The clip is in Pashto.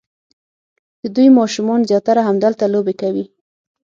د دوی ماشومان زیاتره همدلته لوبې کوي.